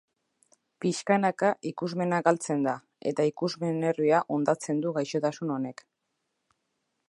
Pixkanaka ikusmena galtzen da, eta ikusmen-nerbioa hondatzen du gaixotasun honek.